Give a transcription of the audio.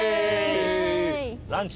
ランチ。